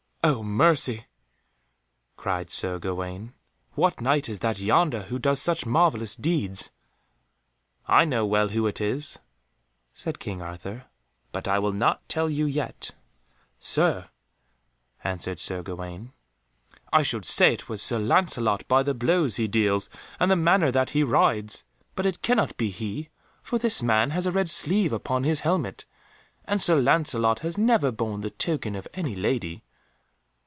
"O mercy!" cried Sir Gawaine, "what Knight is that yonder who does such marvellous deeds?" "I know well who it is," said King Arthur, "but I will not tell you yet." "Sir," answered Sir Gawaine, "I should say it was Sir Lancelot by the blows he deals and the manner that he rides, but it cannot be he, for this man has a red sleeve upon his helmet, and Sir Lancelot has never borne the token of any lady."